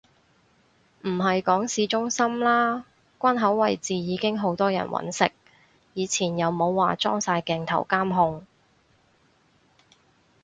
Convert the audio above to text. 唔係講市中心啦，關口位置已經好多人搵食，以前又冇話裝晒鏡頭監控